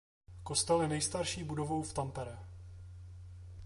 Kostel je nejstarší budovou v Tampere.